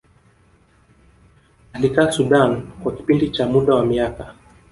alikaa Sudan kwa kipindi cha muda wa miaka